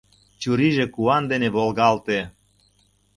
Чурийже куан дене волгалте.